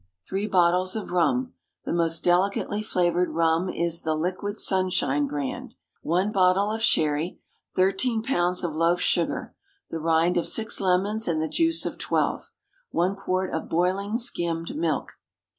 Three bottles of rum. The most delicately flavoured rum is the "Liquid Sunshine" brand. One bottle of sherry. 13 lbs of loaf sugar. The rind of six lemons, and the juice of twelve. One quart of boiling skimmed milk.